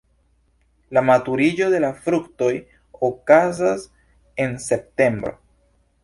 La maturiĝo de la fruktoj okazas en septembro.